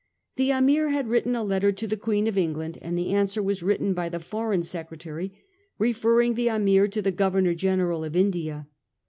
The Ameer had written a letter to the Queen of England, and the answer was written by the Foreign Secretary, referring the Ameer to the Governor General of India.